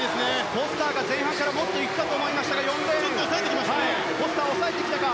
フォスターが前半からもっと行くかと思ったがフォスター、抑えてきたか。